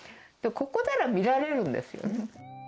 でもここなら見られるんですよね。